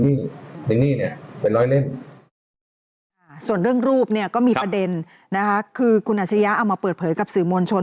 ก็มีเรื่องรูปนะคะคือคุณอัจฉริยะเอามาเปิดเผยกับสื่อมวลชน